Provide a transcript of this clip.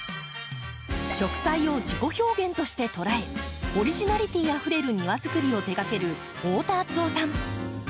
植栽を自己表現として捉えオリジナリティーあふれる庭づくりを手がける太田敦雄さん。